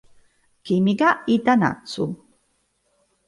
Kimi ga Ita Natsu